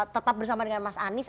tetap bersama dengan mas anies